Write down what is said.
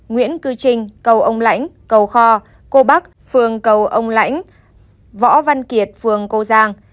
nguyễn cư trinh cầu ông lãnh cầu kho cô bắc phường cầu ông lãnh võ văn kiệt phường cô giang